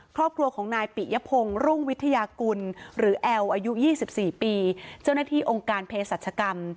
ครอบครัวของนายปิยพงศ์รุ่งวิทยากุลหรือแอลอายุ๒๔ปีเจ้าหน้าที่องค์การเพศรัชกรรม